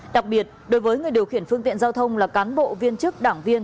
đặc biệt đối với người điều khiển phương tiện giao thông là cán bộ viên chức đảng viên